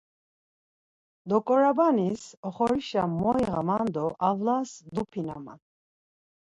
Doǩorobanis oxorişa moyiğaman do avlas dupinaman.